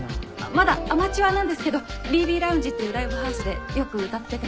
まだアマチュアなんですけどＢＢＬｏｕｎｇｅっていうライブハウスでよく歌ってて。